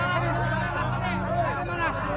bu sayang udah ada guru